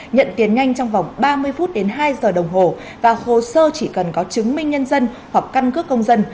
nhận tiền nhanh trong vòng ba mươi phút đến hai giờ đồng hồ và hồ sơ chỉ cần có chứng minh nhân dân hoặc căn cước công dân